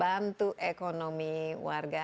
bantu ekonomi warga